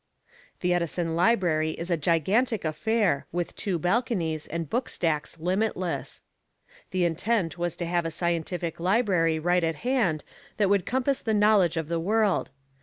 The Edison Library is a gigantic affair, with two balconies and bookstacks limitless. The intent was to have a scientific library right at hand that would compass the knowledge of the world.